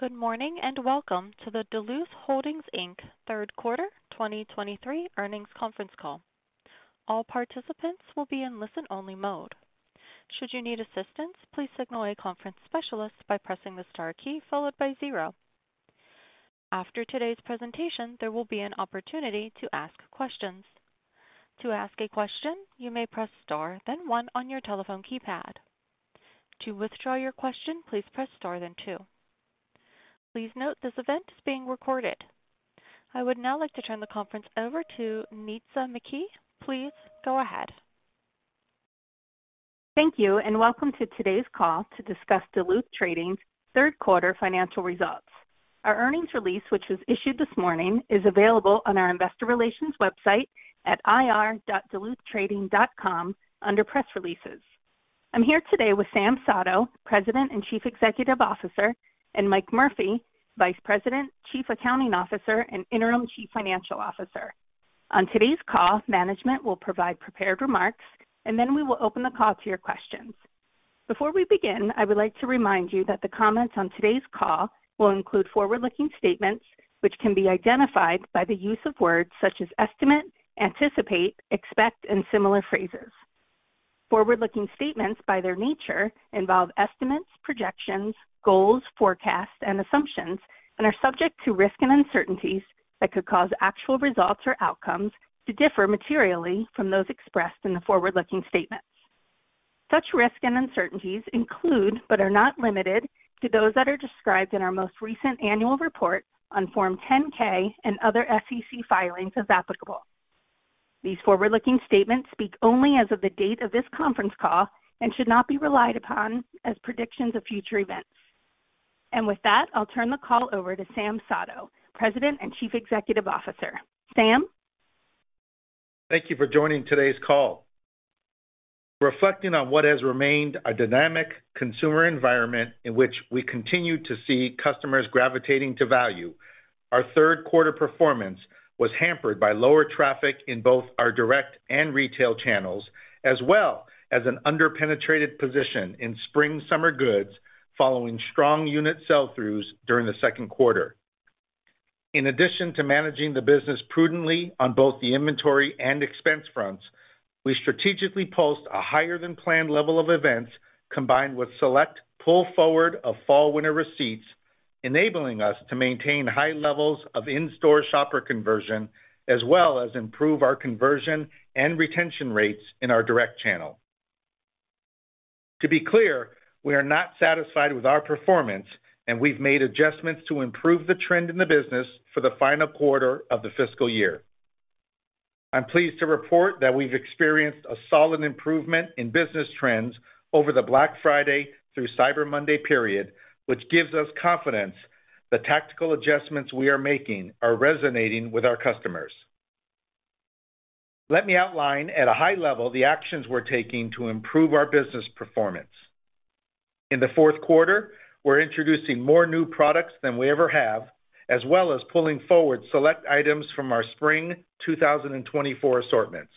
Good morning, and welcome to the Duluth Holdings, Inc. Third Quarter 2023 Earnings Conference Call. All participants will be in listen-only mode. Should you need assistance, please signal a conference specialist by pressing the star key followed by zero. After today's presentation, there will be an opportunity to ask questions. To ask a question, you may press Star, then one on your telephone keypad. To withdraw your question, please press Star then two. Please note, this event is being recorded. I would now like to turn the conference over to Nitza McKee. Please go ahead. Thank you, and welcome to today's call to discuss Duluth Trading's third quarter financial results. Our earnings release, which was issued this morning, is available on our investor relations website at ir.duluthtrading.com under Press Releases. I'm here today with Sam Sato, President and Chief Executive Officer, and Mike Murphy, Vice President, Chief Accounting Officer, and Interim Chief Financial Officer. On today's call, management will provide prepared remarks, and then we will open the call to your questions. Before we begin, I would like to remind you that the comments on today's call will include forward-looking statements, which can be identified by the use of words such as estimate, anticipate, expect, and similar phrases. Forward-looking statements, by their nature, involve estimates, projections, goals, forecasts, and assumptions, and are subject to risks and uncertainties that could cause actual results or outcomes to differ materially from those expressed in the forward-looking statements. Such risks and uncertainties include, but are not limited to, those that are described in our most recent annual report on Form 10-K and other SEC filings, as applicable. These forward-looking statements speak only as of the date of this conference call and should not be relied upon as predictions of future events. With that, I'll turn the call over to Sam Sato, President and Chief Executive Officer. Sam? Thank you for joining today's call. Reflecting on what has remained a dynamic consumer environment in which we continue to see customers gravitating to value, our third quarter performance was hampered by lower traffic in both our direct and retail channels, as well as an under-penetrated position in spring, summer goods, following strong unit sell-throughs during the second quarter. In addition to managing the business prudently on both the inventory and expense fronts, we strategically pulsed a higher-than-planned level of events, combined with select pull forward of fall/winter receipts, enabling us to maintain high levels of in-store shopper conversion, as well as improve our conversion and retention rates in our direct channel. To be clear, we are not satisfied with our performance, and we've made adjustments to improve the trend in the business for the final quarter of the fiscal year. I'm pleased to report that we've experienced a solid improvement in business trends over the Black Friday through Cyber Monday period, which gives us confidence the tactical adjustments we are making are resonating with our customers. Let me outline at a high level the actions we're taking to improve our business performance. In the fourth quarter, we're introducing more new products than we ever have, as well as pulling forward select items from our Spring 2024 assortments.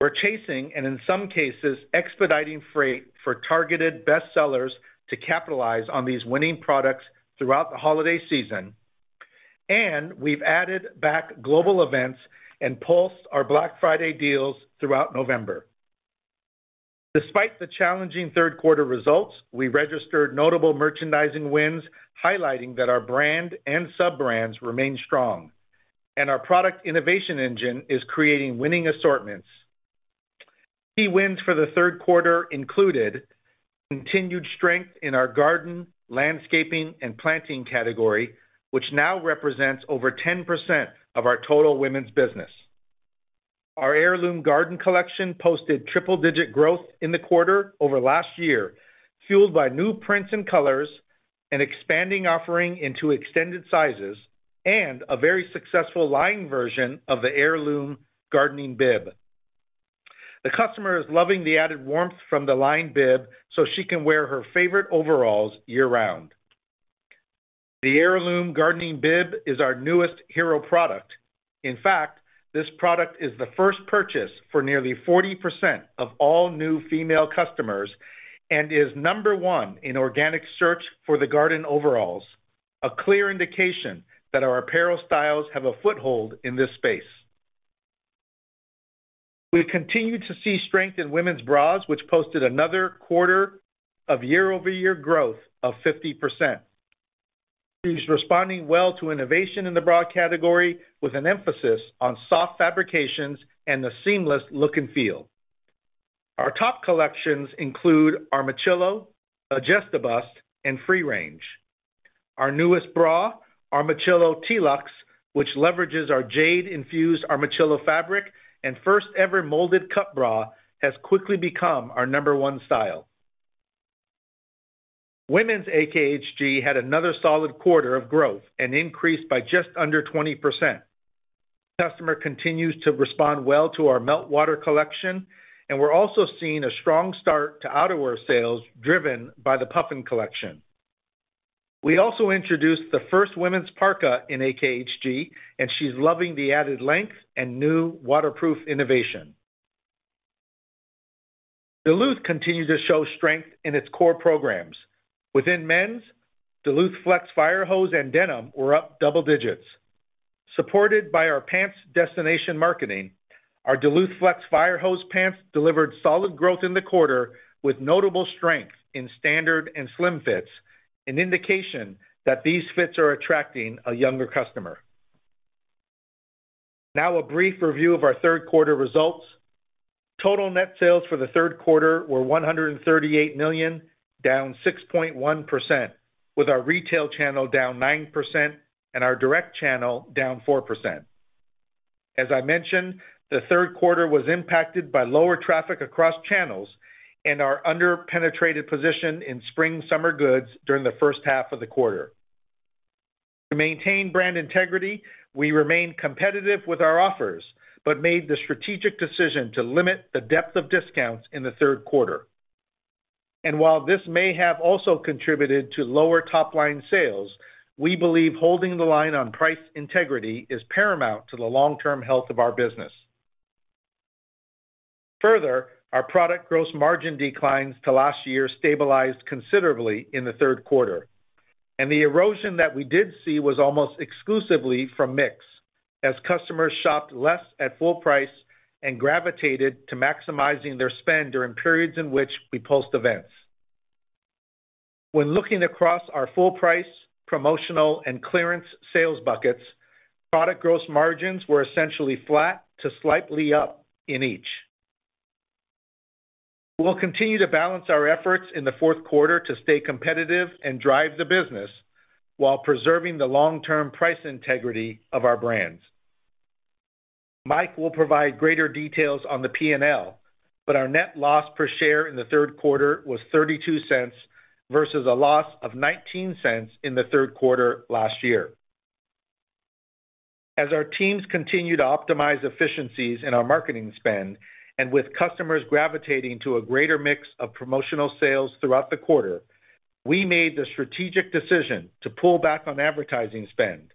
We're chasing, and in some cases, expediting freight for targeted best sellers to capitalize on these winning products throughout the holiday season, and we've added back global events and pulsed our Black Friday deals throughout November. Despite the challenging third quarter results, we registered notable merchandising wins, highlighting that our brand and sub-brands remain strong, and our product innovation engine is creating winning assortments. Key wins for the third quarter included continued strength in our garden, landscaping, and planting category, which now represents over 10% of our total women's business. Our Heirloom Garden Collection posted triple-digit growth in the quarter over last year, fueled by new prints and colors and expanding offering into extended sizes and a very successful lined version of the Heirloom Gardening Bib. The customer is loving the added warmth from the lined bib so she can wear her favorite overalls year-round. The Heirloom Gardening Bib is our newest hero product. In fact, this product is the first purchase for nearly 40% of all new female customers and is number one in organic search for the garden overalls, a clear indication that our apparel styles have a foothold in this space. We continue to see strength in women's bras, which posted another quarter of year-over-year growth of 50%. She's responding well to innovation in the bra category, with an emphasis on soft fabrications and the seamless look and feel. Our top collections include Armachillo, Adjust-A-Bust, and Free Range. Our newest bra, Armachillo Tee-Lux, which leverages our jade-infused Armachillo fabric and first-ever molded cup bra, has quickly become our number one style. Women's AKHG had another solid quarter of growth and increased by just under 20%. Customer continues to respond well to our Meltwater collection, and we're also seeing a strong start to outerwear sales, driven by the Puffin collection. We also introduced the first women's parka in AKHG, and she's loving the added length and new waterproof innovation.... Duluth continues to show strength in its core programs. Within men's, DuluthFlex Fire Hose and denim were up double digits. Supported by our pants destination marketing, our DuluthFlex Fire Hose pants delivered solid growth in the quarter, with notable strength in standard and slim fits, an indication that these fits are attracting a younger customer. Now, a brief review of our third quarter results. Total net sales for the third quarter were $138 million, down 6.1%, with our retail channel down 9% and our direct channel down 4%. As I mentioned, the third quarter was impacted by lower traffic across channels and our under-penetrated position in spring, summer goods during the first half of the quarter. To maintain brand integrity, we remained competitive with our offers, but made the strategic decision to limit the depth of discounts in the third quarter. And while this may have also contributed to lower top line sales, we believe holding the line on price integrity is paramount to the long-term health of our business. Further, our product gross margin declines to last year stabilized considerably in the third quarter, and the erosion that we did see was almost exclusively from mix, as customers shopped less at full price and gravitated to maximizing their spend during periods in which we post events. When looking across our full price, promotional, and clearance sales buckets, product gross margins were essentially flat to slightly up in each. We'll continue to balance our efforts in the fourth quarter to stay competitive and drive the business, while preserving the long-term price integrity of our brands. Mike will provide greater details on the P&L, but our net loss per share in the third quarter was $0.32, versus a loss of $0.19 in the third quarter last year. As our teams continue to optimize efficiencies in our marketing spend, and with customers gravitating to a greater mix of promotional sales throughout the quarter, we made the strategic decision to pull back on advertising spend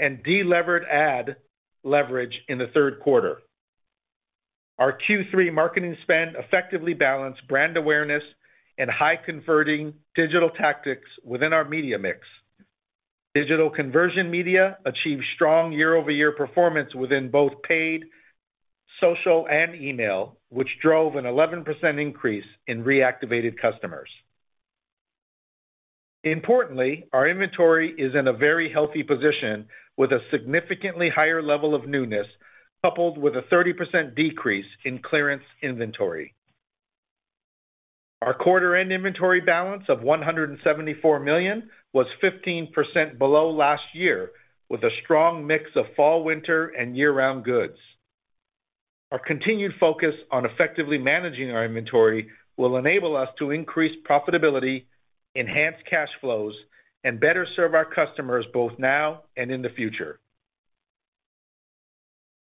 and delevered ad leverage in the third quarter. Our Q3 marketing spend effectively balanced brand awareness and high-converting digital tactics within our media mix. Digital conversion media achieved strong year-over-year performance within both paid, social, and email, which drove an 11% increase in reactivated customers. Importantly, our inventory is in a very healthy position, with a significantly higher level of newness, coupled with a 30% decrease in clearance inventory. Our quarter-end inventory balance of $174 million was 15% below last year, with a strong mix of fall, winter, and year-round goods. Our continued focus on effectively managing our inventory will enable us to increase profitability, enhance cash flows, and better serve our customers, both now and in the future.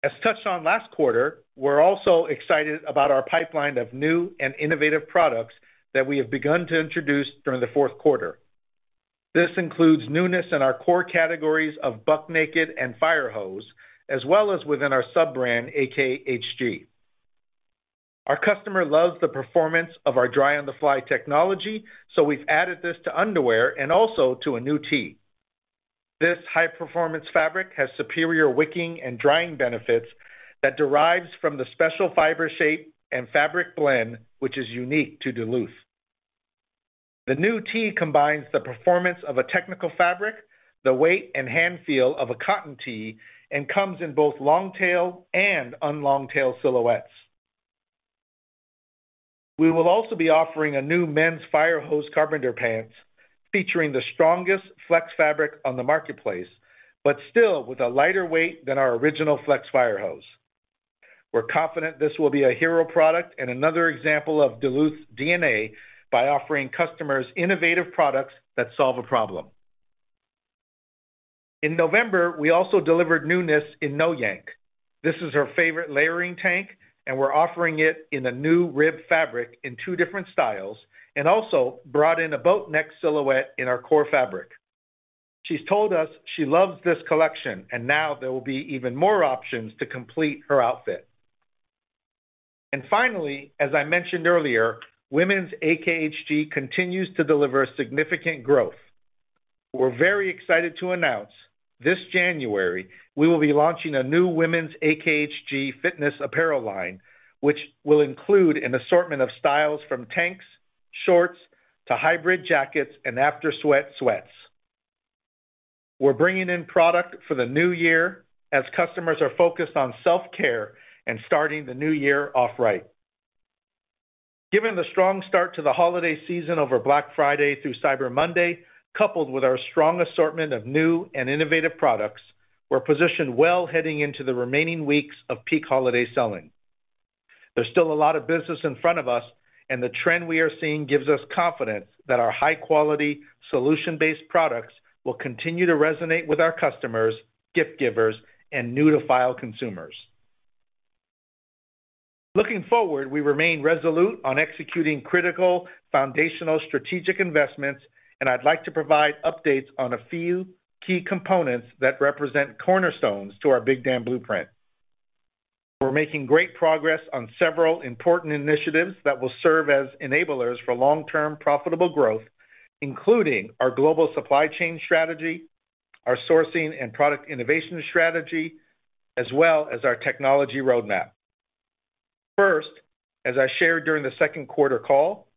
As touched on last quarter, we're also excited about our pipeline of new and innovative products that we have begun to introduce during the fourth quarter. This includes newness in our core categories of Buck Naked and Fire Hose, as well as within our sub-brand, AKHG. Our customer loves the performance of our Dry on the Fly technology, so we've added this to underwear and also to a new tee. This high-performance fabric has superior wicking and drying benefits that derives from the special fiber shape and fabric blend, which is unique to Duluth. The new tee combines the performance of a technical fabric, the weight and hand feel of a cotton tee, and comes in both long tail and un-long tail silhouettes. We will also be offering a new men's Fire Hose carpenter pants, featuring the strongest flex fabric on the marketplace, but still with a lighter weight than our original Flex Fire Hose. We're confident this will be a hero product and another example of Duluth's DNA by offering customers innovative products that solve a problem. In November, we also delivered newness in No-Yank. This is her favorite layering tank, and we're offering it in a new ribbed fabric in two different styles, and also brought in a boatneck silhouette in our core fabric. She's told us she loves this collection, and now there will be even more options to complete her outfit. Finally, as I mentioned earlier, women's AKHG continues to deliver significant growth. We're very excited to announce, this January, we will be launching a new women's AKHG fitness apparel line, which will include an assortment of styles from tanks, shorts, to hybrid jackets and After-Sweat sweats. We're bringing in product for the new year, as customers are focused on self-care and starting the new year off right. Given the strong start to the holiday season over Black Friday through Cyber Monday, coupled with our strong assortment of new and innovative products, we're positioned well heading into the remaining weeks of peak holiday selling. There's still a lot of business in front of us, and the trend we are seeing gives us confidence that our high-quality, solution-based products will continue to resonate with our customers, gift givers, and new-to-file consumers. Looking forward, we remain resolute on executing critical foundational strategic investments, and I'd like to provide updates on a few key components that represent cornerstones to our Big Dam Blueprint. We're making great progress on several important initiatives that will serve as enablers for long-term profitable growth, including our global supply chain strategy, our sourcing and product innovation strategy, as well as our technology roadmap. First, as I shared during the second quarter call,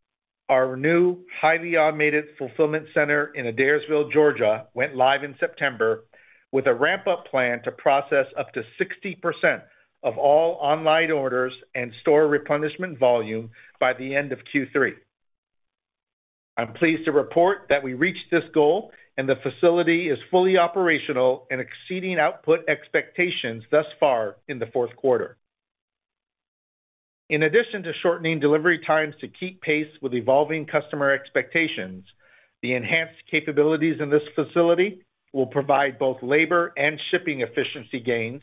our new highly automated fulfillment center in Adairsville, Georgia, went live in September with a ramp-up plan to process up to 60% of all online orders and store replenishment volume by the end of Q3. I'm pleased to report that we reached this goal, and the facility is fully operational and exceeding output expectations thus far in the fourth quarter. In addition to shortening delivery times to keep pace with evolving customer expectations, the enhanced capabilities in this facility will provide both labor and shipping efficiency gains.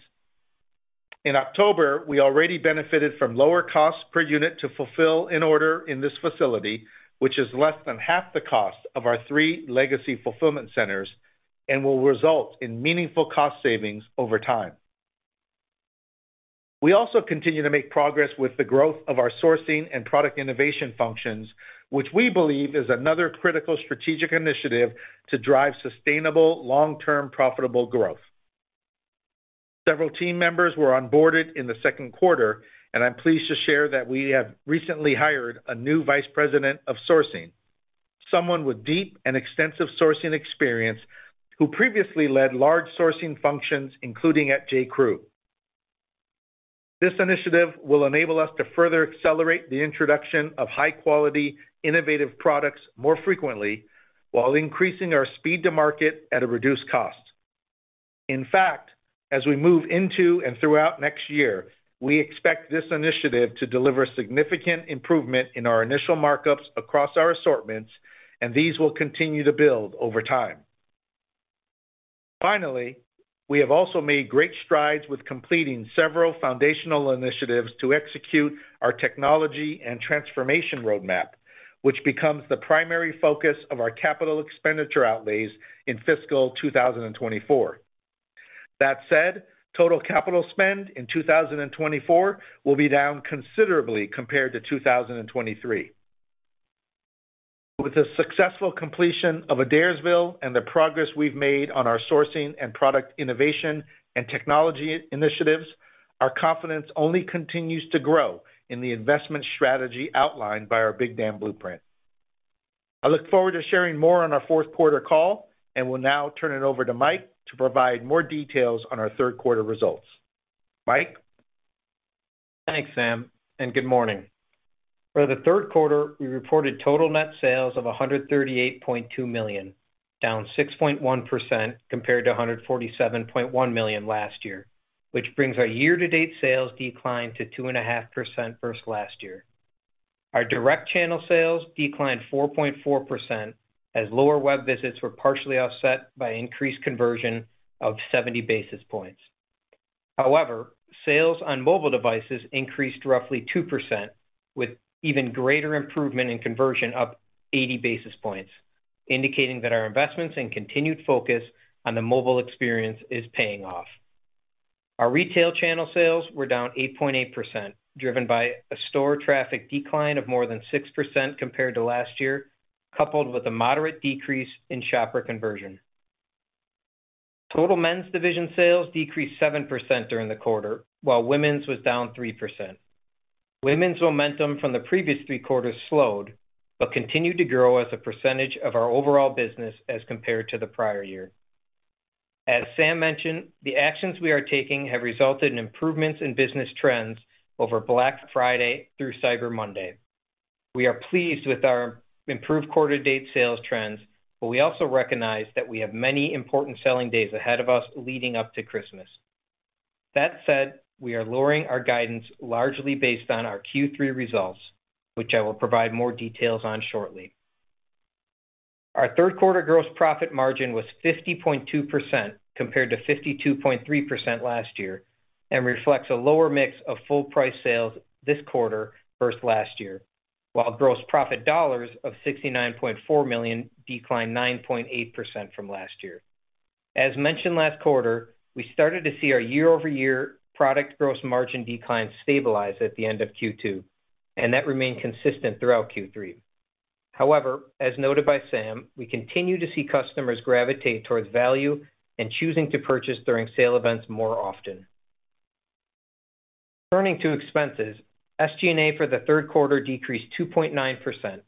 In October, we already benefited from lower costs per unit to fulfill an order in this facility, which is less than half the cost of our three legacy fulfillment centers and will result in meaningful cost savings over time. We also continue to make progress with the growth of our sourcing and product innovation functions, which we believe is another critical strategic initiative to drive sustainable, long-term, profitable growth. Several team members were onboarded in the second quarter, and I'm pleased to share that we have recently hired a new vice president of sourcing, someone with deep and extensive sourcing experience, who previously led large sourcing functions, including at J.Crew. This initiative will enable us to further accelerate the introduction of high-quality, innovative products more frequently while increasing our speed to market at a reduced cost. In fact, as we move into and throughout next year, we expect this initiative to deliver significant improvement in our initial markups across our assortments, and these will continue to build over time. Finally, we have also made great strides with completing several foundational initiatives to execute our technology and transformation roadmap, which becomes the primary focus of our capital expenditure outlays in fiscal 2024. That said, total capital spend in 2024 will be down considerably compared to 2023. With the successful completion of Adairsville and the progress we've made on our sourcing and product innovation, and technology initiatives, our confidence only continues to grow in the investment strategy outlined by our Big Dam Blueprint. I look forward to sharing more on our fourth quarter call and will now turn it over to Mike to provide more details on our third quarter results. Mike? Thanks, Sam, and good morning. For the third quarter, we reported total net sales of $138.2 million, down 6.1% compared to $147.1 million last year, which brings our year-to-date sales decline to 2.5% versus last year. Our direct channel sales declined 4.4%, as lower web visits were partially offset by increased conversion of 70 basis points. However, sales on mobile devices increased roughly 2%, with even greater improvement in conversion up 80 basis points, indicating that our investments and continued focus on the mobile experience is paying off. Our retail channel sales were down 8.8%, driven by a store traffic decline of more than 6% compared to last year, coupled with a moderate decrease in shopper conversion. Total men's division sales decreased 7% during the quarter, while women's was down 3%. Women's momentum from the previous three quarters slowed but continued to grow as a percentage of our overall business as compared to the prior year. As Sam mentioned, the actions we are taking have resulted in improvements in business trends over Black Friday through Cyber Monday. We are pleased with our improved quarter to date sales trends, but we also recognize that we have many important selling days ahead of us leading up to Christmas. That said, we are lowering our guidance largely based on our Q3 results, which I will provide more details on shortly. Our third quarter gross profit margin was 50.2%, compared to 52.3% last year, and reflects a lower mix of full price sales this quarter versus last year, while gross profit dollars of $69.4 million declined 9.8% from last year. As mentioned last quarter, we started to see our year-over-year product gross margin decline stabilize at the end of Q2, and that remained consistent throughout Q3. However, as noted by Sam, we continue to see customers gravitate towards value and choosing to purchase during sale events more often. Turning to expenses, SG&A for the third quarter decreased 2.9%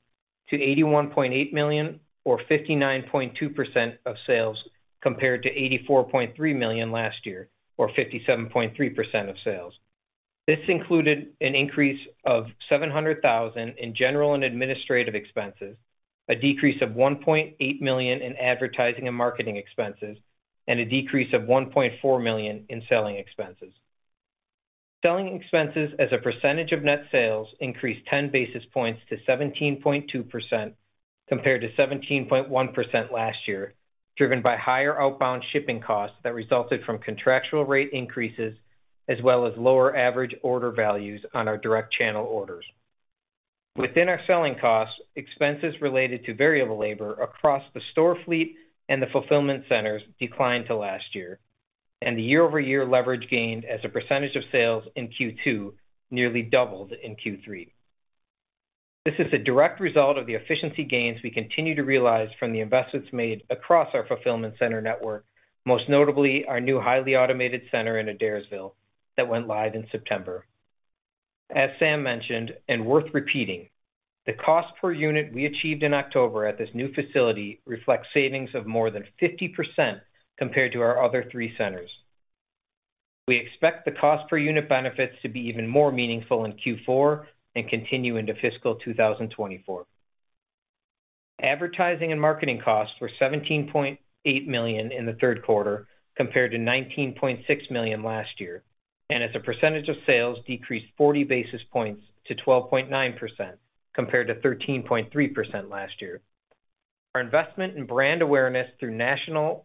to $81.8 million or 59.2% of sales, compared to $84.3 million last year, or 57.3% of sales. This included an increase of $700,000 in general and administrative expenses, a decrease of $1.8 million in advertising and marketing expenses, and a decrease of $1.4 million in selling expenses. Selling expenses as a percentage of net sales increased 10 basis points to 17.2%, compared to 17.1% last year, driven by higher outbound shipping costs that resulted from contractual rate increases, as well as lower average order values on our direct channel orders. Within our selling costs, expenses related to variable labor across the store fleet and the fulfillment centers declined to last year, and the year-over-year leverage gained as a percentage of sales in Q2 nearly doubled in Q3. This is a direct result of the efficiency gains we continue to realize from the investments made across our fulfillment center network, most notably our new highly automated center in Adairsville that went live in September. As Sam mentioned, and worth repeating, the cost per unit we achieved in October at this new facility reflects savings of more than 50% compared to our other three centers. We expect the cost per unit benefits to be even more meaningful in Q4 and continue into fiscal 2024. Advertising and marketing costs were $17.8 million in the third quarter, compared to $19.6 million last year, and as a percentage of sales, decreased 40 basis points to 12.9%, compared to 13.3% last year. Our investment in brand awareness through national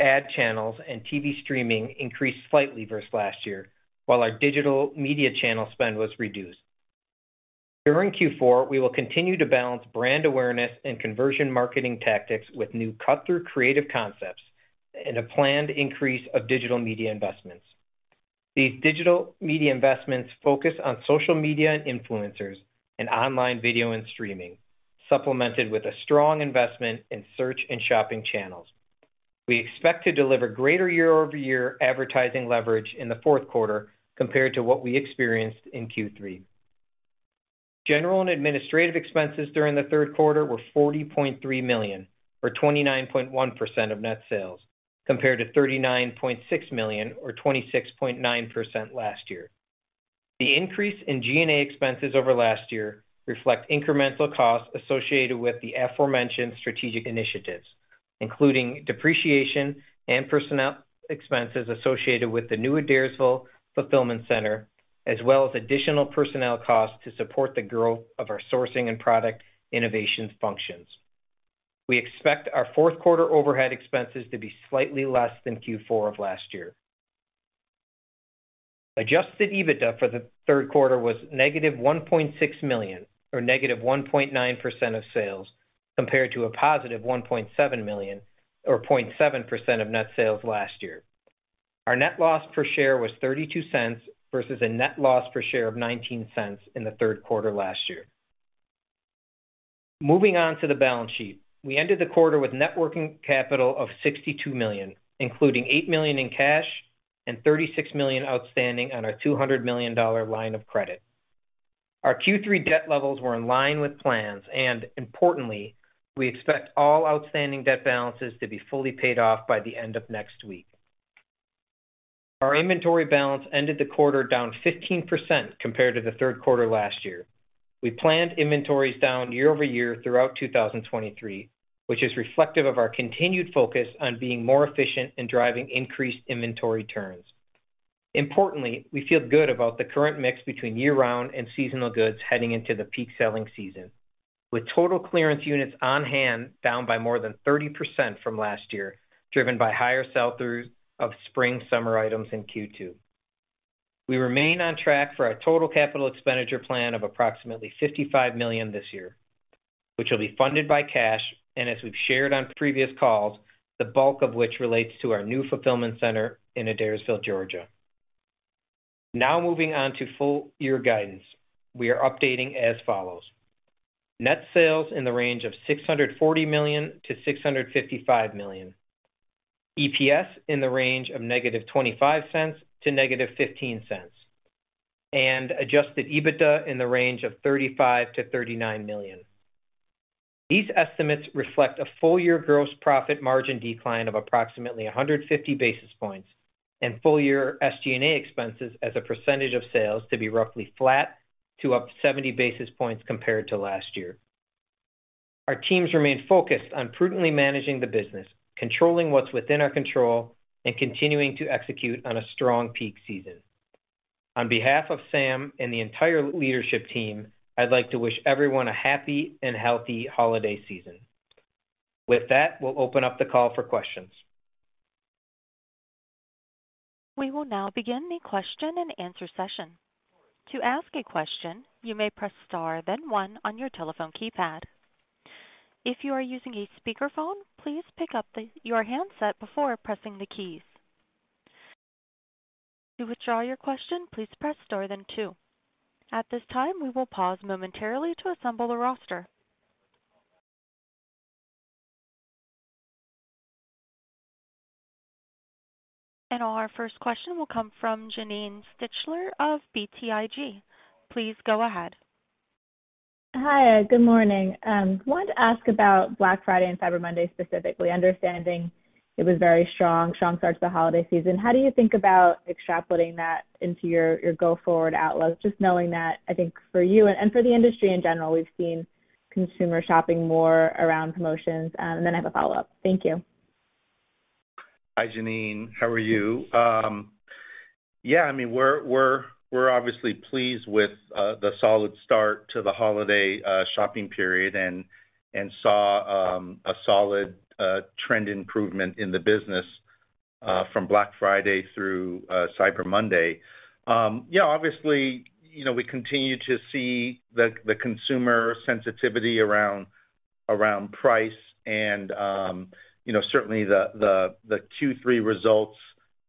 ad channels and TV streaming increased slightly versus last year, while our digital media channel spend was reduced. During Q4, we will continue to balance brand awareness and conversion marketing tactics with new cut-through creative concepts and a planned increase of digital media investments. These digital media investments focus on social media and influencers and online video and streaming, supplemented with a strong investment in search and shopping channels. We expect to deliver greater year-over-year advertising leverage in the fourth quarter compared to what we experienced in Q3. General and administrative expenses during the third quarter were $40.3 million, or 29.1% of net sales, compared to $39.6 million, or 26.9% last year. The increase in G&A expenses over last year reflect incremental costs associated with the aforementioned strategic initiatives, including depreciation and personnel expenses associated with the new Adairsville fulfillment center, as well as additional personnel costs to support the growth of our sourcing and product innovations functions. We expect our fourth quarter overhead expenses to be slightly less than Q4 of last year. Adjusted EBITDA for the third quarter was -$1.6 million, or -1.9% of sales, compared to a positive $1.7 million, or 0.7% of net sales last year. Our net loss per share was $0.32 versus a net loss per share of $0.19 in the third quarter last year. Moving on to the balance sheet. We ended the quarter with net working capital of $62 million, including $8 million in cash and $36 million outstanding on our $200 million line of credit. Our Q3 debt levels were in line with plans, and importantly, we expect all outstanding debt balances to be fully paid off by the end of next week. Our inventory balance ended the quarter down 15% compared to the third quarter last year. We planned inventories down year-over-year throughout 2023, which is reflective of our continued focus on being more efficient and driving increased inventory turns. Importantly, we feel good about the current mix between year-round and seasonal goods heading into the peak selling season, with total clearance units on hand down by more than 30% from last year, driven by higher sell-throughs of spring, summer items in Q2. We remain on track for our total capital expenditure plan of approximately $55 million this year, which will be funded by cash, and as we've shared on previous calls, the bulk of which relates to our new fulfillment center in Adairsville, Georgia. Now, moving on to full year guidance, we are updating as follows: Net sales in the range of $640 million-$655 million. EPS in the range of -$0.25 to -$0.15. And adjusted EBITDA in the range of $35 million-$39 million. These estimates reflect a full year gross profit margin decline of approximately 150 basis points and full year SG&A expenses as a percentage of sales to be roughly flat to up 70 basis points compared to last year. Our teams remain focused on prudently managing the business, controlling what's within our control, and continuing to execute on a strong peak season. On behalf of Sam and the entire leadership team, I'd like to wish everyone a happy and healthy holiday season. With that, we'll open up the call for questions. We will now begin the question-and-answer session. To ask a question, you may press star, then one on your telephone keypad. If you are using a speakerphone, please pick up your handset before pressing the keys. To withdraw your question, please press star then two. At this time, we will pause momentarily to assemble a roster. Our first question will come from Janine Stichter of BTIG. Please go ahead. Hi, good morning. Wanted to ask about Black Friday and Cyber Monday, specifically, understanding it was very strong, strong start to the holiday season. How do you think about extrapolating that into your, your go-forward outlook? Just knowing that, I think for you and, and for the industry in general, we've seen consumer shopping more around promotions. And then I have a follow-up. Thank you. Hi, Janine, how are you? Yeah, I mean, we're obviously pleased with the solid start to the holiday shopping period and saw a solid trend improvement in the business.... from Black Friday through Cyber Monday. Yeah, obviously, you know, we continue to see the consumer sensitivity around price and, you know, certainly the Q3 results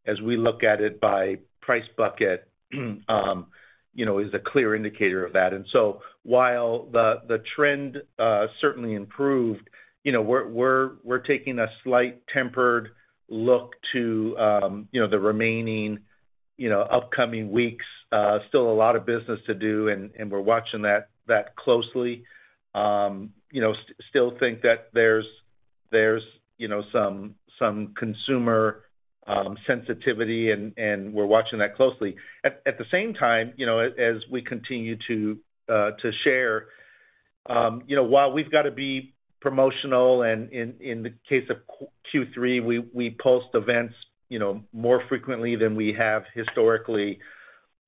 as we look at it by price bucket, you know, is a clear indicator of that. And so while the trend certainly improved, you know, we're taking a slight tempered look to, you know, the remaining upcoming weeks. Still a lot of business to do, and we're watching that closely. You know, still think that there's, you know, some consumer sensitivity, and we're watching that closely. At the same time, you know, as we continue to share, you know, while we've got to be promotional and in the case of Q3, we post events, you know, more frequently than we have historically,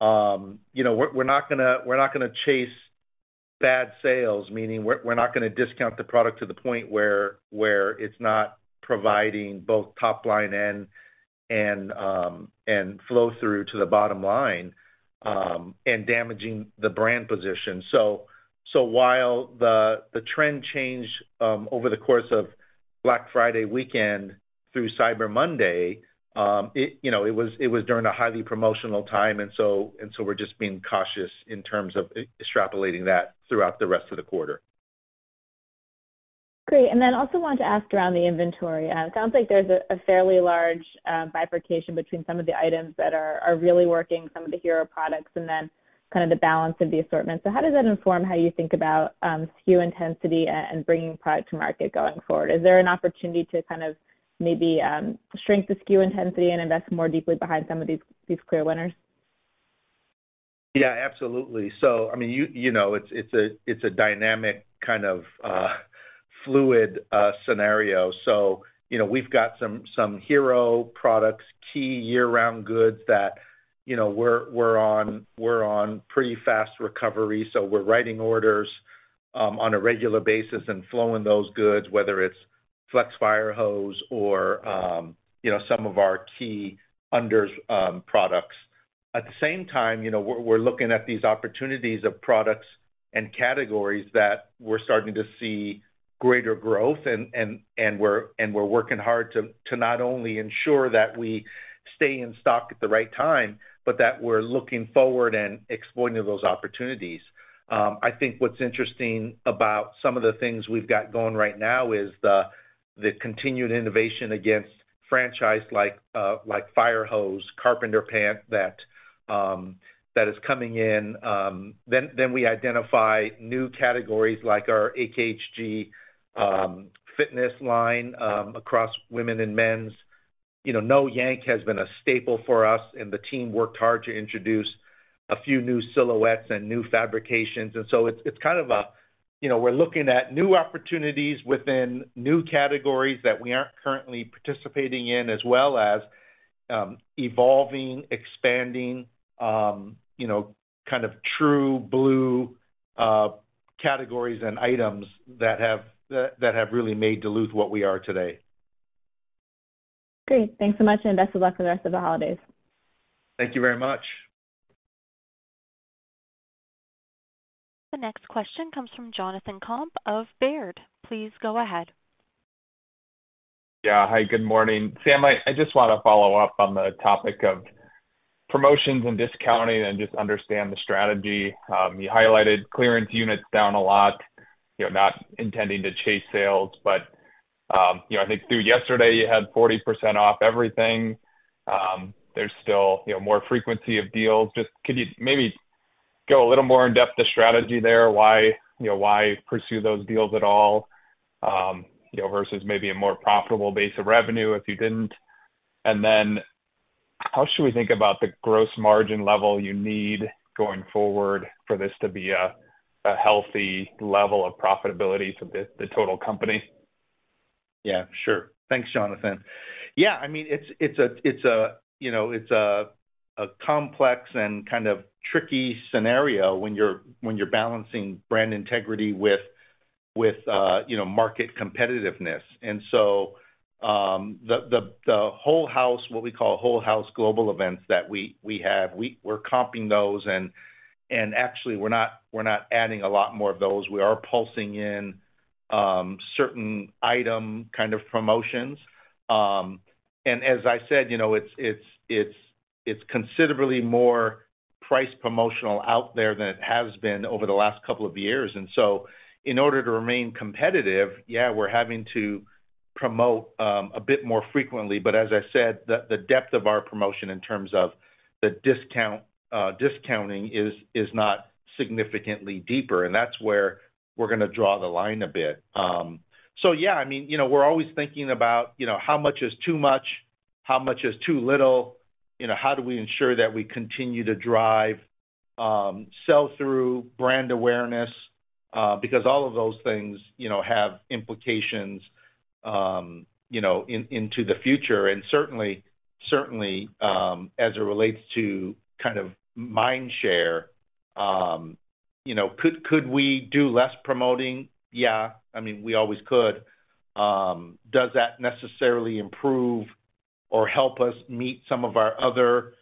you know, we're not gonna chase bad sales, meaning we're not gonna discount the product to the point where it's not providing both top line and flow through to the bottom line, and damaging the brand position. So while the trend changed over the course of Black Friday weekend through Cyber Monday, you know, it was during a highly promotional time, and so we're just being cautious in terms of extrapolating that throughout the rest of the quarter. Great. And then I also wanted to ask around the inventory. It sounds like there's a fairly large bifurcation between some of the items that are really working, some of the hero products, and then kind of the balance of the assortment. So how does that inform how you think about SKU intensity and bringing product to market going forward? Is there an opportunity to kind of maybe strengthen SKU intensity and invest more deeply behind some of these clear winners? Yeah, absolutely. So I mean, you know, it's a dynamic, kind of, fluid scenario. So, you know, we've got some hero products, key year-round goods that, you know, we're on pretty fast recovery. So we're writing orders on a regular basis and flowing those goods, whether it's Flex Fire Hose or, you know, some of our key unders products. At the same time, you know, we're looking at these opportunities of products and categories that we're starting to see greater growth, and we're working hard to not only ensure that we stay in stock at the right time, but that we're looking forward and exploiting those opportunities. I think what's interesting about some of the things we've got going right now is the continued innovation against franchise like Fire Hose carpenter pant that is coming in. Then we identify new categories like our AKHG fitness line across women and men's. You know, No Yank has been a staple for us, and the team worked hard to introduce a few new silhouettes and new fabrications. So it's kind of a... You know, we're looking at new opportunities within new categories that we aren't currently participating in, as well as evolving, expanding, you know, kind of true blue categories and items that have really made Duluth what we are today. Great. Thanks so much, and best of luck for the rest of the holidays. Thank you very much. The next question comes from Jonathan Komp of Baird. Please go ahead. Yeah. Hi, good morning. Sam, I just want to follow up on the topic of promotions and discounting and just understand the strategy. You highlighted clearance units down a lot, you're not intending to chase sales. But you know, I think through yesterday, you had 40% off everything. There's still, you know, more frequency of deals. Just could you maybe go a little more in depth the strategy there? Why, you know, why pursue those deals at all, you know, versus maybe a more profitable base of revenue if you didn't? And then how should we think about the gross margin level you need going forward for this to be a healthy level of profitability for the total company? Yeah, sure. Thanks, Jonathan. Yeah, I mean, it's a, you know, it's a complex and kind of tricky scenario when you're balancing brand integrity with, you know, market competitiveness. And so, the whole house, what we call whole house global events that we have, we're comping those, and actually, we're not adding a lot more of those. We are pulsing in certain item kind of promotions. And as I said, you know, it's considerably more price promotional out there than it has been over the last couple of years. And so in order to remain competitive, yeah, we're having to promote a bit more frequently. But as I said, the depth of our promotion in terms of the discount, discounting is not significantly deeper, and that's where we're gonna draw the line a bit. So yeah, I mean, you know, we're always thinking about, you know, how much is too much? How much is too little? You know, how do we ensure that we continue to drive sell-through, brand awareness? Because all of those things, you know, have implications, you know, into the future, and certainly, as it relates to kind of mind share, you know, could we do less promoting? Yeah. I mean, we always could. Does that necessarily improve or help us meet some of our other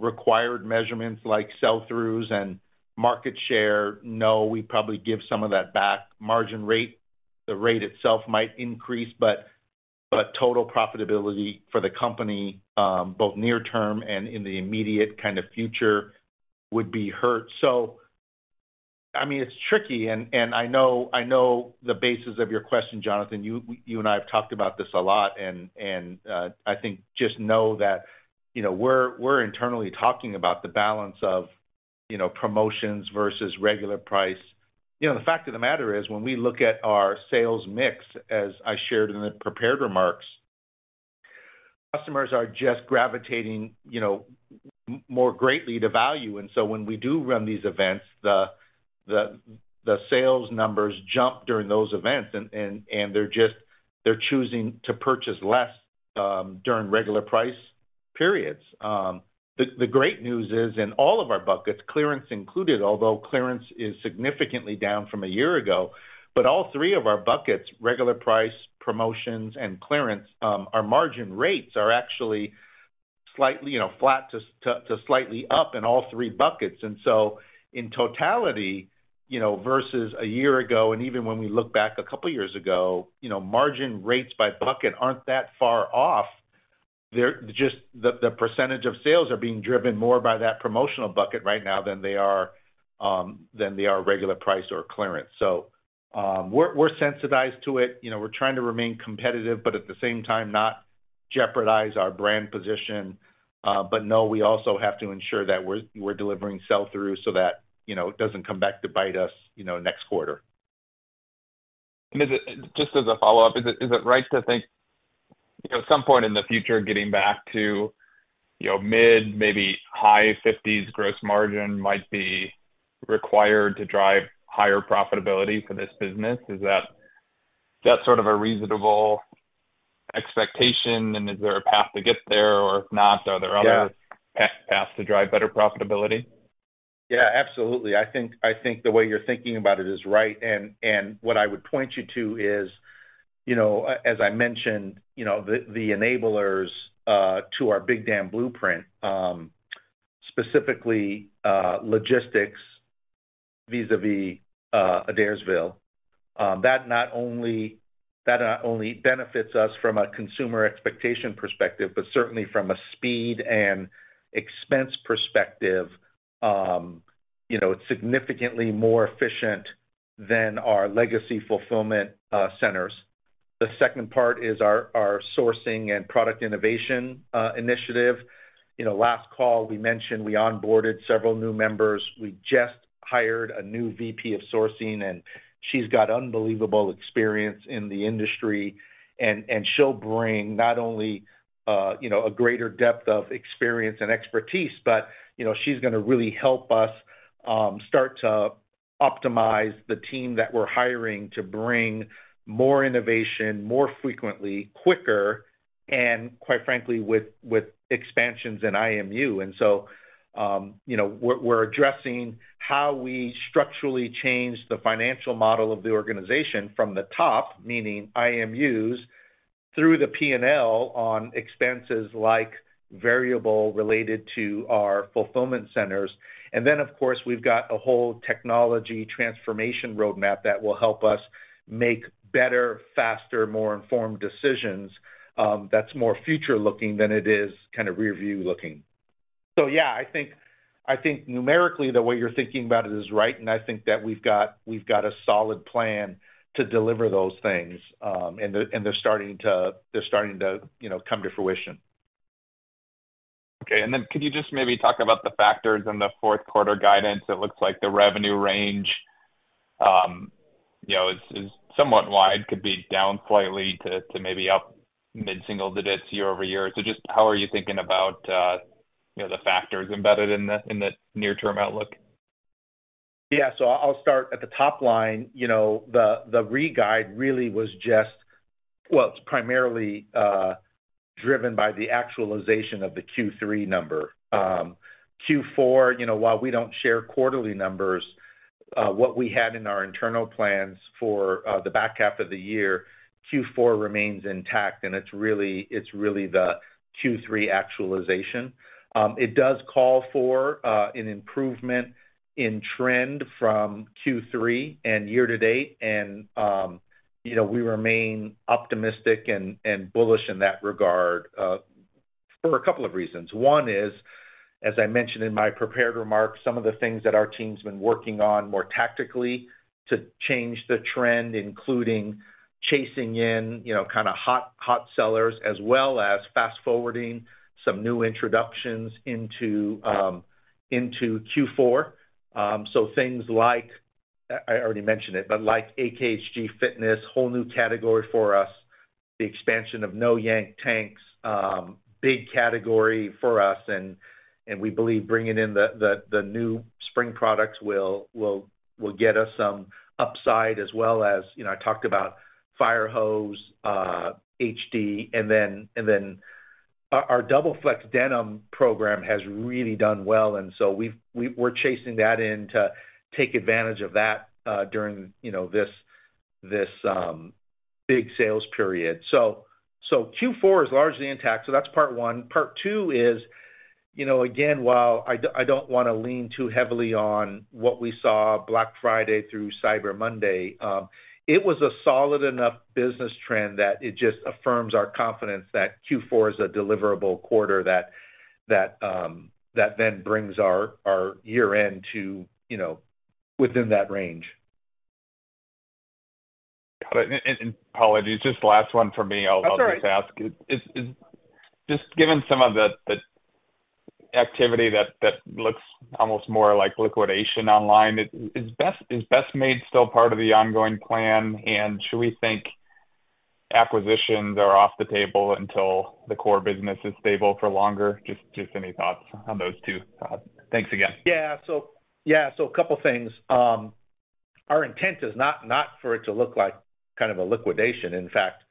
required measurements, like sell-throughs and market share? No, we probably give some of that back. Margin rate, the rate itself might increase, but total profitability for the company, both near term and in the immediate kind of future, would be hurt. So, I mean, it's tricky, and I know the basis of your question, Jonathan. You and I have talked about this a lot, and I think just know that, you know, we're internally talking about the balance of, you know, promotions versus regular price. You know, the fact of the matter is, when we look at our sales mix, as I shared in the prepared remarks, customers are just gravitating, you know, more greatly to value. And so when we do run these events, the sales numbers jump during those events, and they're just choosing to purchase less during regular price periods. The great news is in all of our buckets, clearance included, although clearance is significantly down from a year ago, but all three of our buckets, regular price, promotions, and clearance, our margin rates are actually slightly, you know, flat to slightly up in all three buckets. And so in totality, you know, versus a year ago, and even when we look back a couple of years ago, you know, margin rates by bucket aren't that far off. They're just... The percentage of sales are being driven more by that promotional bucket right now than they are regular price or clearance. So, we're sensitized to it. You know, we're trying to remain competitive, but at the same time, not jeopardize our brand position. But no, we also have to ensure that we're delivering sell-through so that, you know, it doesn't come back to bite us, you know, next quarter. Is it, just as a follow-up, is it right to think, you know, at some point in the future, getting back to, you know, mid-50s, maybe high 50s gross margin might be required to drive higher profitability for this business? Is that sort of a reasonable expectation? And is there a path to get there, or if not, are there other- Yeah. paths to drive better profitability? Yeah, absolutely. I think, I think the way you're thinking about it is right, and, and what I would point you to is, you know, as I mentioned, you know, the, the enablers to our Big Dam Blueprint, specifically, logistics vis-a-vis Adairsville, that not only, that not only benefits us from a consumer expectation perspective, but certainly from a speed and expense perspective, you know, it's significantly more efficient than our legacy fulfillment centers. The second part is our, our sourcing and product innovation initiative. You know, last call, we mentioned we onboarded several new members. We just hired a new VP of sourcing, and she's got unbelievable experience in the industry, and she'll bring not only, you know, a greater depth of experience and expertise, but, you know, she's gonna really help us start to optimize the team that we're hiring to bring more innovation, more frequently, quicker, and quite frankly, with expansions in IMU. So, you know, we're addressing how we structurally change the financial model of the organization from the top, meaning IMUs, through the P&L on expenses like variable related to our fulfillment centers. And then, of course, we've got a whole technology transformation roadmap that will help us make better, faster, more informed decisions, that's more future-looking than it is kind of rearview-looking. So yeah, I think numerically, the way you're thinking about it is right, and I think that we've got a solid plan to deliver those things. And they're starting to, you know, come to fruition. Okay. And then could you just maybe talk about the factors in the fourth quarter guidance? It looks like the revenue range, you know, is somewhat wide, could be down slightly to maybe up mid-single digits year-over-year. So just how are you thinking about, you know, the factors embedded in the near-term outlook? Yeah. So I'll start at the top line. You know, the re-guide really was just. Well, it's primarily driven by the actualization of the Q3 number. Q4, you know, while we don't share quarterly numbers, what we had in our internal plans for the back half of the year, Q4 remains intact, and it's really the Q3 actualization. It does call for an improvement in trend from Q3 and year to date, and you know, we remain optimistic and bullish in that regard for a couple of reasons. One is, as I mentioned in my prepared remarks, some of the things that our team's been working on more tactically to change the trend, including chasing in, you know, kind of hot, hot sellers, as well as fast-forwarding some new introductions into Q4. So things like, I already mentioned it, but like AKHG Fitness, whole new category for us, the expansion of No Yank Tanks, big category for us, and we believe bringing in the new spring products will get us some upside, as well as, you know, I talked about Fire Hose HD, and then our Double Flex Denim program has really done well, and so we're chasing that in to take advantage of that, during, you know, this big sales period. So Q4 is largely intact, so that's part one. Part two is, you know, again, while I don't wanna lean too heavily on what we saw Black Friday through Cyber Monday, it was a solid enough business trend that it just affirms our confidence that Q4 is a deliverable quarter that then brings our year-end to, you know, within that range. Apologies, just the last one for me. That's all right. I'll just ask. Is just given some of the activity that looks almost more like liquidation online, is Best Made still part of the ongoing plan? And should we think acquisitions are off the table until the core business is stable for longer? Just any thoughts on those two. Thanks again. Yeah. So yeah, so a couple things. Our intent is not, not for it to look like kind of a liquidation. In fact,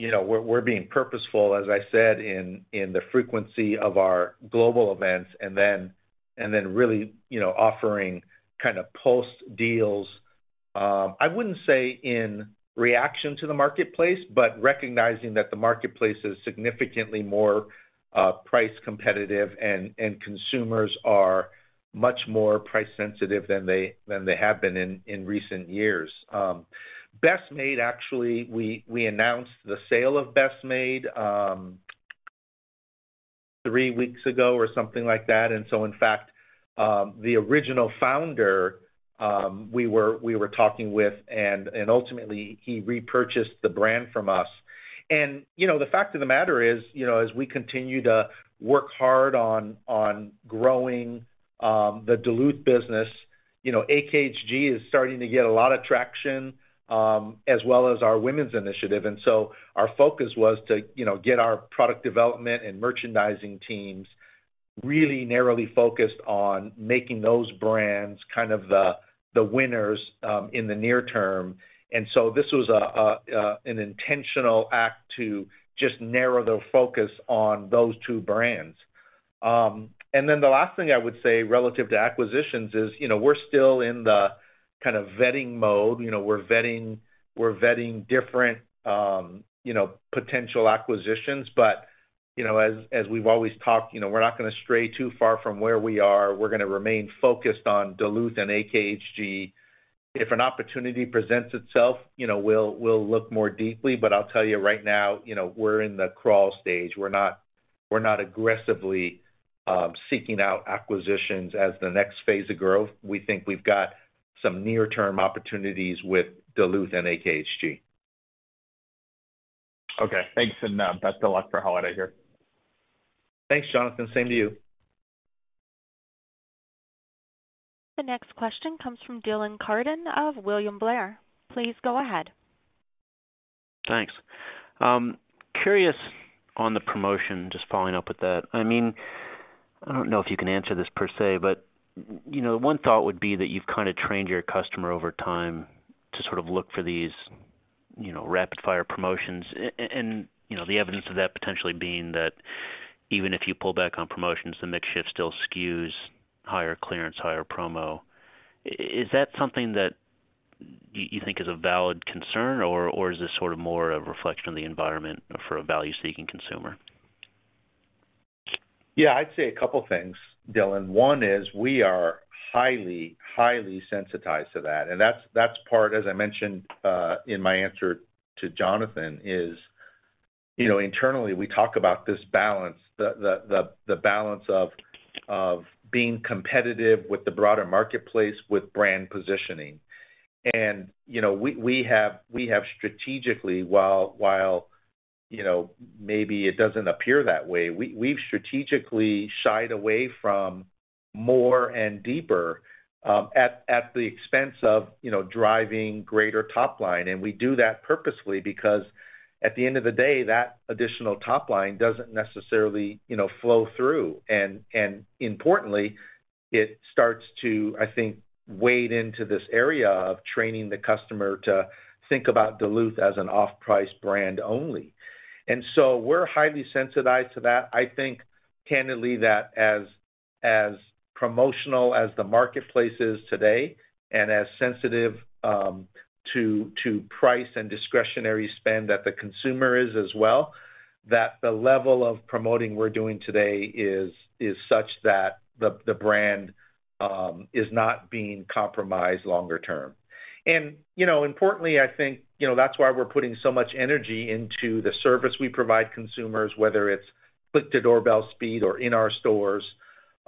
you know, we're, we're being purposeful, as I said, in, in the frequency of our global events, and then, and then really, you know, offering kind of post deals. I wouldn't say in reaction to the marketplace, but recognizing that the marketplace is significantly more price competitive and, and consumers are much more price sensitive than they, than they have been in, in recent years. Best Made, actually, we, we announced the sale of Best Made three weeks ago or something like that. And so in fact, the original founder, we were, we were talking with, and, and ultimately he repurchased the brand from us. You know, the fact of the matter is, you know, as we continue to work hard on growing the Duluth business, you know, AKHG is starting to get a lot of traction as well as our women's initiative. So our focus was to, you know, get our product development and merchandising teams really narrowly focused on making those brands kind of the winners in the near term. So this was an intentional act to just narrow the focus on those two brands. And then the last thing I would say relative to acquisitions is, you know, we're still in the kind of vetting mode. You know, we're vetting different potential acquisitions. But, you know, as we've always talked, you know, we're not gonna stray too far from where we are. We're gonna remain focused on Duluth and AKHG. If an opportunity presents itself, you know, we'll, we'll look more deeply. But I'll tell you right now, you know, we're in the crawl stage. We're not, we're not aggressively seeking out acquisitions as the next phase of growth. We think we've got some near-term opportunities with Duluth and AKHG. Okay, thanks. And, best of luck for holiday here. Thanks, Jonathan. Same to you. The next question comes from Dylan Carden of William Blair. Please go ahead. Thanks. Curious on the promotion, just following up with that. I mean, I don't know if you can answer this per se, but, you know, one thought would be that you've kind of trained your customer over time to sort of look for these, you know, rapid fire promotions. And, you know, the evidence of that potentially being that even if you pull back on promotions, the mix shift still skews higher clearance, higher promo. Is that something that you think is a valid concern, or, or is this sort of more a reflection of the environment for a value-seeking consumer? Yeah, I'd say a couple things, Dylan. One is we are highly, highly sensitized to that, and that's part, as I mentioned in my answer to Jonathan, you know, internally, we talk about this balance. The balance of being competitive with the broader marketplace, with brand positioning. And, you know, we have strategically, while, you know, maybe it doesn't appear that way, we've strategically shied away from more and deeper at the expense of driving greater top line. And we do that purposefully because at the end of the day, that additional top line doesn't necessarily, you know, flow through. And importantly, it starts to, I think, wade into this area of training the customer to think about Duluth as an off-price brand only. And so we're highly sensitized to that. I think, candidly, that as promotional as the marketplace is today and as sensitive to price and discretionary spend that the consumer is as well, that the level of promoting we're doing today is such that the brand is not being compromised longer term. And, you know, importantly, I think, you know, that's why we're putting so much energy into the service we provide consumers, whether it's click-to-doorbell speed or in our stores.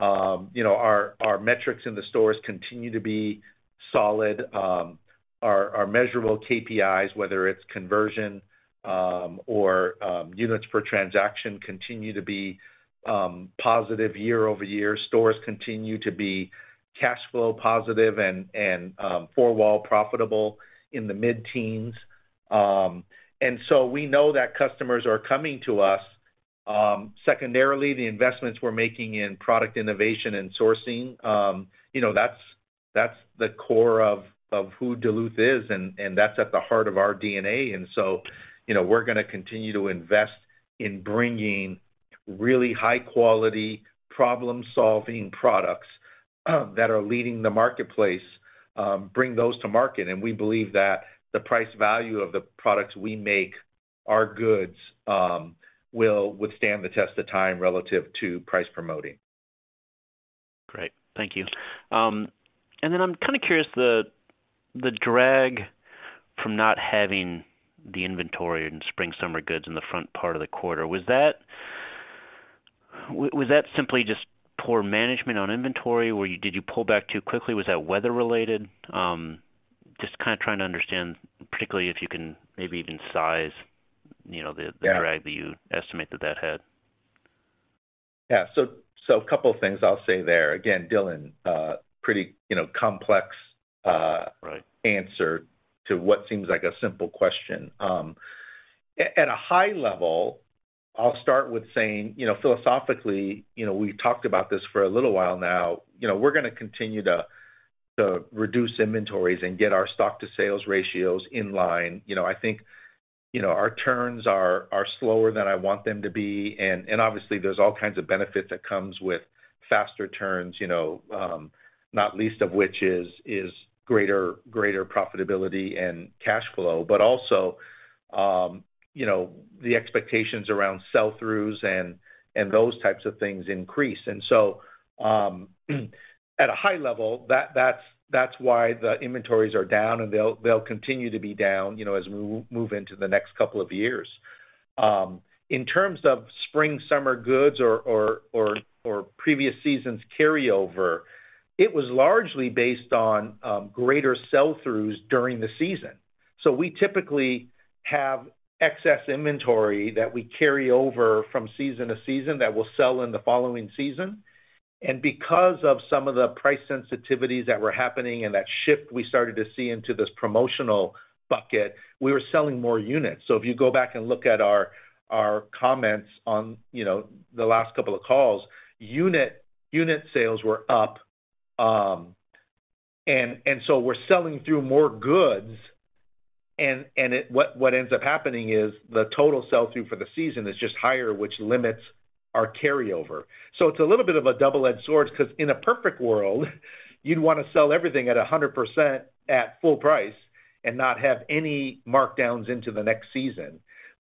You know, our metrics in the stores continue to be solid. Our measurable KPIs, whether it's conversion or units per transaction, continue to be positive year-over-year. Stores continue to be cash flow positive and Four-Wall profitable in the mid-teens. And so we know that customers are coming to us. Secondarily, the investments we're making in product innovation and sourcing, you know, that's the core of, of who Duluth is, and, and that's at the heart of our DNA. And so, you know, we're gonna continue to invest in bringing really high quality, problem-solving products, that are leading the marketplace, bring those to market. And we believe that the price value of the products we make, our goods, will withstand the test of time relative to price promoting. Great. Thank you. And then I'm kind of curious, the drag from not having the inventory in spring, summer goods in the front part of the quarter, was that simply just poor management on inventory, or did you pull back too quickly? Was that weather related? Just kind of trying to understand, particularly if you can maybe even size, you know, the- Yeah... the drag that you estimate that, that had. Yeah. So, a couple of things I'll say there. Again, Dylan, pretty, you know, complex, Right... answer to what seems like a simple question. At a high level, I'll start with saying, you know, philosophically, you know, we've talked about this for a little while now. You know, we're gonna continue to reduce inventories and get our stock to sales ratios in line. You know, I think, you know, our turns are slower than I want them to be, and obviously, there's all kinds of benefit that comes with faster turns, you know, not least of which is greater profitability and cash flow. But also, you know, the expectations around sell-throughs and those types of things increase. And so, at a high level, that's why the inventories are down, and they'll continue to be down, you know, as we move into the next couple of years. In terms of spring, summer goods or previous seasons carryover, it was largely based on greater sell-throughs during the season. So we typically have excess inventory that we carry over from season to season that will sell in the following season. And because of some of the price sensitivities that were happening and that shift we started to see into this promotional bucket, we were selling more units. So if you go back and look at our comments on, you know, the last couple of calls, unit sales were up. And so we're selling through more goods, and it, what ends up happening is the total sell-through for the season is just higher, which limits our carryover. So it's a little bit of a double-edged sword because in a perfect world, you'd want to sell everything at 100% at full price and not have any markdowns into the next season.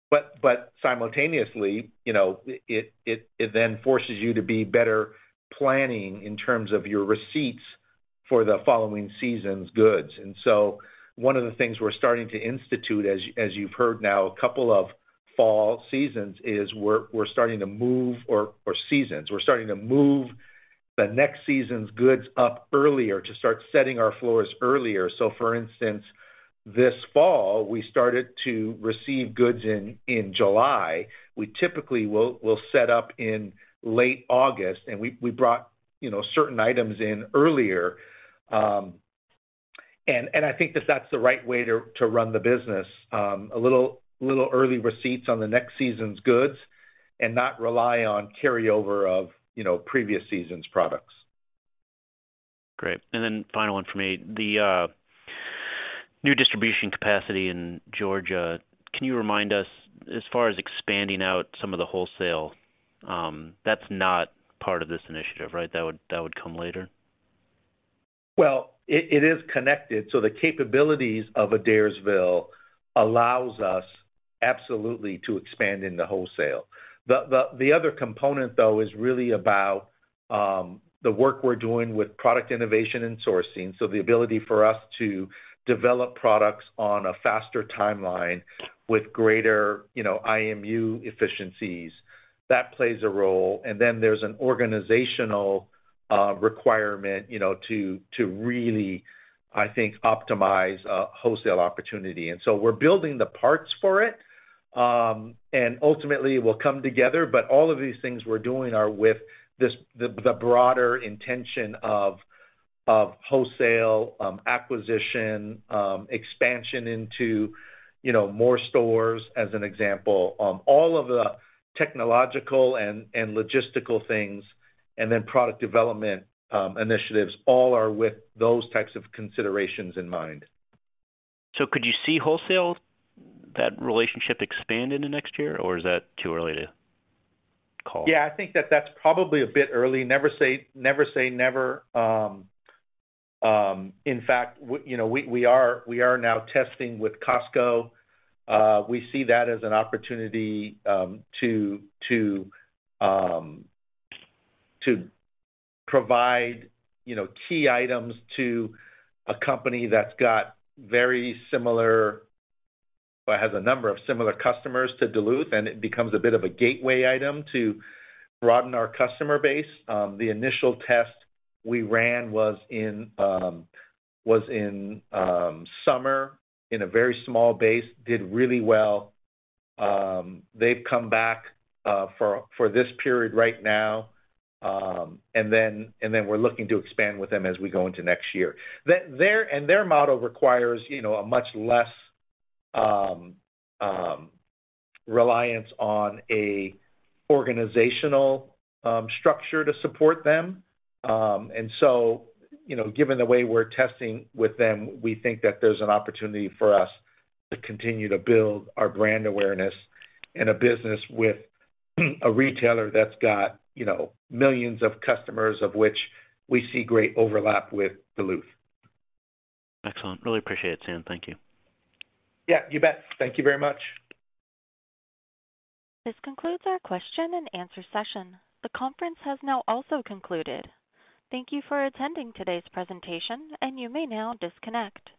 But simultaneously, you know, it then forces you to be better planning in terms of your receipts for the following season's goods. And so one of the things we're starting to institute, as you've heard now, a couple of fall seasons, is we're starting to move the next season's goods up earlier to start setting our floors earlier. So for instance, this fall, we started to receive goods in July. We typically will set up in late August, and we brought, you know, certain items in earlier. And I think that that's the right way to run the business. A little early receipts on the next season's goods and not rely on carryover of, you know, previous season's products. Great. And then final one for me: the new distribution capacity in Georgia, can you remind us, as far as expanding out some of the wholesale, that's not part of this initiative, right? That would come later? Well, it is connected. So the capabilities of Adairsville allows us absolutely to expand in the wholesale. The other component, though, is really about the work we're doing with product innovation and sourcing. So the ability for us to develop products on a faster timeline with greater, you know, IMU efficiencies. That plays a role, and then there's an organizational requirement, you know, to really, I think, optimize a wholesale opportunity. And so we're building the parts for it, and ultimately, it will come together. But all of these things we're doing are with this, the broader intention of wholesale acquisition expansion into, you know, more stores, as an example. All of the technological and logistical things, and then product development initiatives, all are with those types of considerations in mind. Could you see wholesale, that relationship expand into next year, or is that too early to call? Yeah, I think that that's probably a bit early. Never say, never say never. In fact, you know, we are now testing with Costco. We see that as an opportunity to provide, you know, key items to a company that's got very similar... or has a number of similar customers to Duluth, and it becomes a bit of a gateway item to broaden our customer base. The initial test we ran was in summer, in a very small base, did really well. They've come back for this period right now, and then we're looking to expand with them as we go into next year. Their model requires, you know, a much less reliance on an organizational structure to support them. And so, you know, given the way we're testing with them, we think that there's an opportunity for us to continue to build our brand awareness in a business with a retailer that's got, you know, millions of customers, of which we see great overlap with Duluth. Excellent. Really appreciate it, Sam. Thank you. Yeah, you bet. Thank you very much. This concludes our question-and-answer session. The conference has now also concluded. Thank you for attending today's presentation, and you may now disconnect.